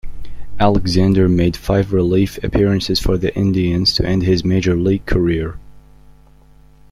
Alexander made five relief appearances for the Indians to end his Major League career.